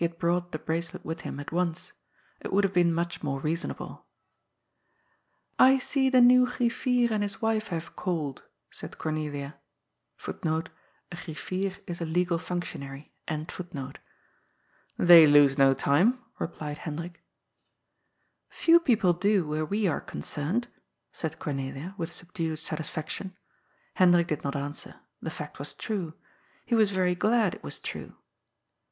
had brought the bracelet with him at once. It would have been much more reasonable. " I Bee the new * Gref9er '* and his wife have called," said Cornelia. " They lose no time," replied Hendrik. *^ Few people do where we are concerned," said Cornelia, with subdued satisfaction. Hendrik did not answer. The fact was true. He was very glad it was true.